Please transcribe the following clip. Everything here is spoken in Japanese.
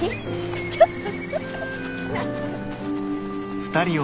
ちょっと。